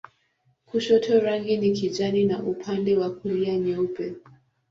Kushoto rangi ni kijani na upande wa kulia nyeupe.